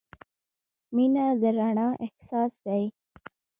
• مینه د رڼا احساس دی.